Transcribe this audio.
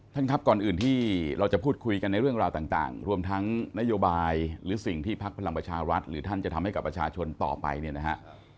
ท่านครับก่อนอื่นที่เราจะพูดคุยกันในเรื่องราวต่างรวมทั้งนโยบายหรือสิ่งที่พักพลังประชารัฐหรือท่านจะทำให้กับประชาชนต่อไปเนี่ยนะฮะ